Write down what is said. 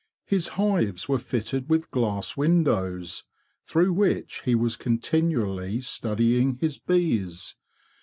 His hives were fitted with glass windows, through which he was continually study ing his bees.